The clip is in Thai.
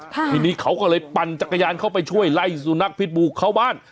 ทีนี้เขาก็เลยปั่นจักรยานเข้าไปช่วยไล่สุนัขพิษบูเข้าบ้าน